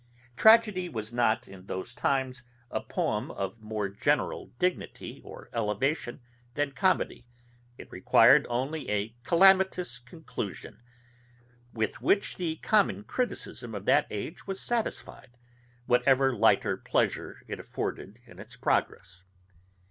Tragedy was not in those times a poem of more general dignity or elevation than comedy; it required only a calamitous conclusion, with which the common criticism of that age was satisfied, whatever lighter pleasure it afforded in its progress.